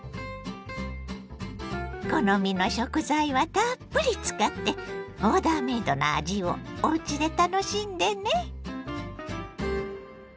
好みの食材はたっぷり使ってオーダーメイドな味をおうちで楽しんでね。